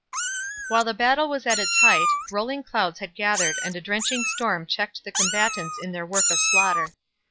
While the battle was at its height, rolling clouds had gathered and a drenching storm checked the combatants in their work of slaughter.